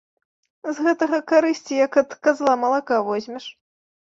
З гэтага карысці як ад казла малака возьмеш!